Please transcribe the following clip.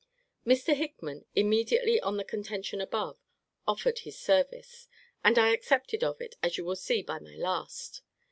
Mr. Hickman, immediately on the contention above, offered his service; and I accepted of it, as you will see by my last.